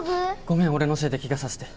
ごめん俺のせいでケガさせて。